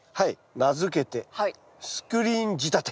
名付けてスクリーン仕立て。